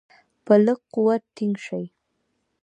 په لږ قوت ټینګ شي.